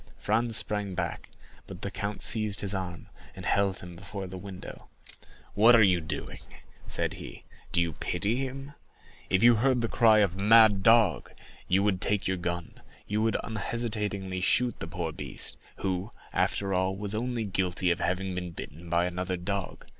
Franz sprang back, but the count seized his arm, and held him before the window. "What are you doing?" said he. "Do you pity him? If you heard the cry of 'Mad dog!' you would take your gun—you would unhesitatingly shoot the poor beast, who, after all, was only guilty of having been bitten by another dog.